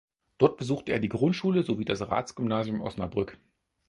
Dort besuchte er die Grundschule sowie das Ratsgymnasium Osnabrück.